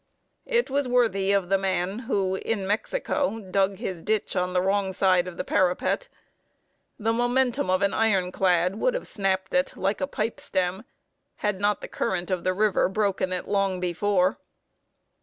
It was worthy of the man who, in Mexico, dug his ditch on the wrong side of the parapet. The momentum of an iron clad would have snapped it like a pipe stem, had not the current of the river broken it long before.